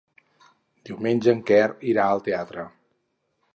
Diumenge en Quer irà al teatre.